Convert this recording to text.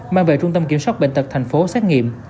mang về trung tâm kiểm soát bệnh tật thành phố xét nghiệm